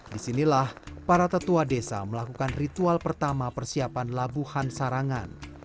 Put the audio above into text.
disinilah para tetua desa melakukan ritual pertama persiapan labuhan sarangan